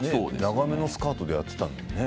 長めのスカートでやっていたんだね。